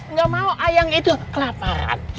nggak mau ayam itu kelaparan